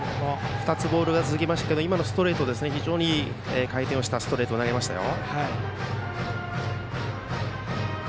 ２つボールが続きましたけども非常に回転したストレートを投げましたよ。